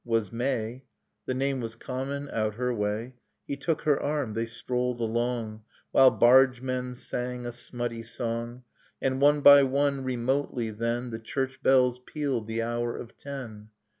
— was May; The name was common, out her way. He took her arm ; they strolled along, While bargemen sang a smutty song; And one by one, remotely, then, The church bells pealed the hour of ten